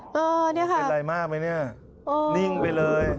เป็นอะไรมากมั้ยเนี่ยนิ่งไปเลย